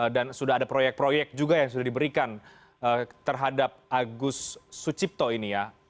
dan sudah ada proyek proyek juga yang sudah diberikan terhadap agus sucipto ini ya